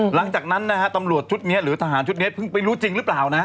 หลังจากนั้นนะฮะตำรวจชุดนี้หรือทหารชุดนี้เพิ่งไปรู้จริงหรือเปล่านะ